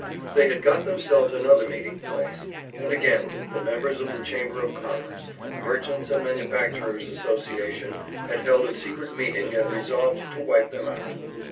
They had got themselves another meeting place, and again the members of the Chamber of Commerce and the Merchants' and Manufacturers' Association had held a secret meeting and resolved to wipe them out.